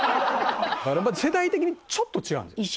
世代的にちょっと違うんですよ。